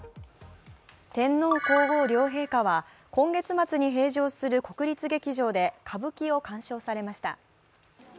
天皇皇后両陛下は今月末に閉場する国立劇場で歌舞伎を鑑賞されました。